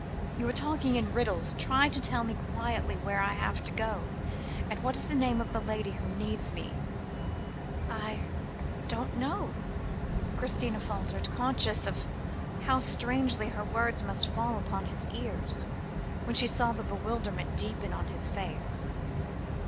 You are talking in riddles. Try to tell me quietly where I have to go, and what is the name of the lady who needs me." "I don't know," Christina faltered, conscious of how strangely her words must fall upon his ears, when she saw the bewilderment deepen on his face.